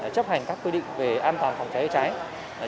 chấp hành các quy định về an toàn phòng cháy cháy